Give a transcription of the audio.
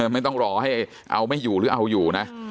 ไม่ต้องรอให้เอาไม่อยู่หรือเอาอยู่นะ